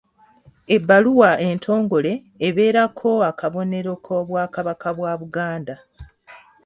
Ebbaluwa entongole ebeerako akabonero k’Obwakabaka bwa Buganda.